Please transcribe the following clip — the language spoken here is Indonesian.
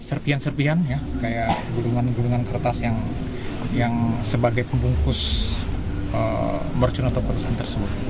serpian serpian ya kayak gulungan gulungan kertas yang sebagai pembungkus merchant atau peresan tersebut